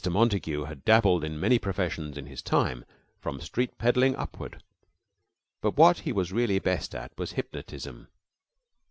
Montague had dabbled in many professions in his time, from street peddling upward, but what he was really best at was hypnotism.